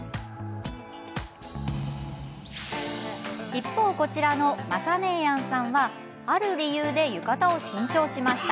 一方、こちらのまさ姉やんさんはある理由で浴衣を新調しました。